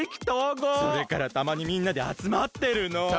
それからたまにみんなであつまってるの。